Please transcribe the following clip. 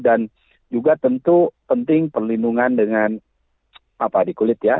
dan juga tentu penting perlindungan dengan di kulit ya